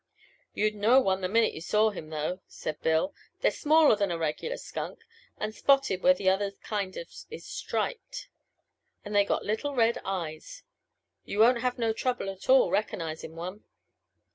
"You'd know one the minute you saw him, though," said Bill. "They're smaller than a regular skunk and spotted where the other kind is striped. And they got little red eyes. You won't have no trouble at all recognizin' one."